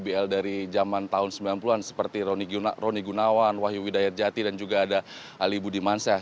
bintang bintang legenda ibl dari jaman tahun sembilan puluh an seperti roni gunawan wahyu widayat jati dan juga ada ali budi mansyah